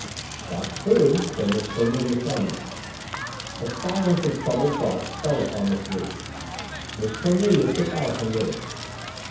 "That's true," said Miss Cornelia firmly. A silence of troubled thoughts fell upon the three. Miss Cornelia took out her knitting.